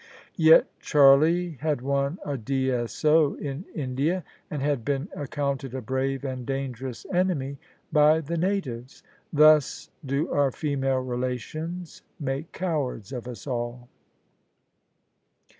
Yet Charlie had won a D.S.O. in India, and had been accounted a brave and dangerous enemy by the natives! Thus do our female relations make cowards of us all.